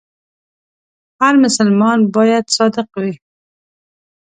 هر مسلمان باید صادق وي.